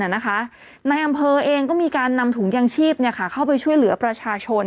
นายอำเภอเองก็มีการนำถุงยางชีพเข้าไปช่วยเหลือประชาชน